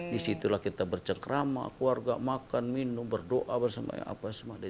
disitulah kita bercekrama keluarga makan minum berdoa bersama sama